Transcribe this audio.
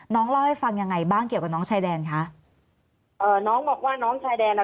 น้องเล่าให้ฟังยังไงบ้างเกี่ยวกับน้องชายแดนคะเอ่อน้องบอกว่าน้องชายแดนอ่ะ